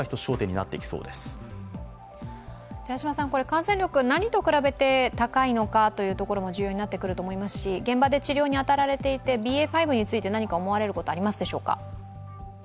感染力、何と比べて高いのかというところも重要になってくると思いますし、現場で治療に当たられていてＢＡ．５について何か思われることありますでしょうか？